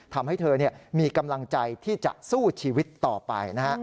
ทำให้เธอมีกำลังใจที่จะสู้ชีวิตต่อไปนะฮะ